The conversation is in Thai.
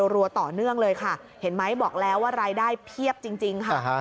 รัวต่อเนื่องเลยค่ะเห็นไหมบอกแล้วว่ารายได้เพียบจริงค่ะ